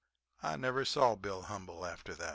"I never saw Bill Humble after that."